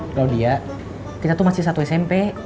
kalau dia kita tuh masih satu smp